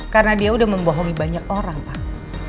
karena dia sudah membohongi banyak orang pak